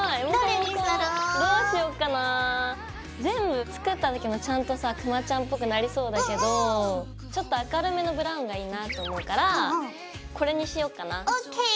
全部つけた時もちゃんとさクマちゃんぽくなりそうだけどちょっと明るめのブラウンがいいなと思うからこれにしようかな。